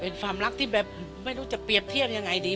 เป็นความรักที่แบบไม่รู้จะเปรียบเทียบยังไงดี